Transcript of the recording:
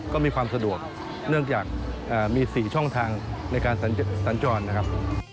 ก็มีความสะดวกเนื่องจากมี๔ช่องทางในการสัญจรนะครับ